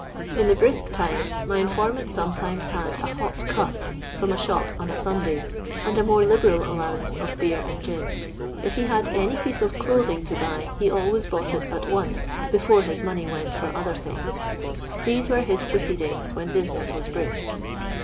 In the brisk times my informant sometimes had '* a hot cut" from a shop on a Sunday, and a more liberal allowance of beer and gin. If he had any piece of clothing to buy he always bought it at once, before his money went for other tUng& These were his proceedings when business waa brisk.